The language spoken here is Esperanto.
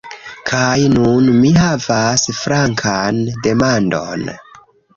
Kaj nun mi havas flankan demandon.